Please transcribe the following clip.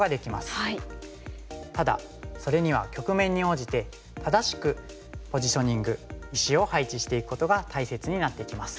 ただそれには局面に応じて正しくポジショニング石を配置していくことが大切になってきます。